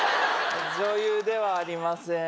女優ではありません